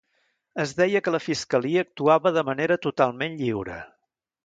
Es deia que la fiscalia actuava de manera totalment lliure